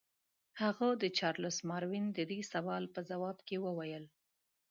هغه د چارلس ماروین د دې سوال په ځواب کې وویل.